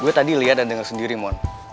gue tadi liat dan denger sendiri mon